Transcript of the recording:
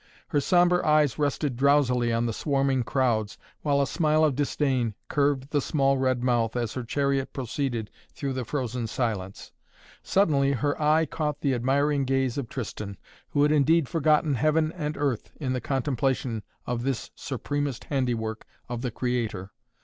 Her sombre eyes rested drowsily on the swarming crowds, while a smile of disdain curved the small red mouth, as her chariot proceeded through the frozen silence. Suddenly her eye caught the admiring gaze of Tristan, who had indeed forgotten heaven and earth in the contemplation of this supremest handiwork of the Creator.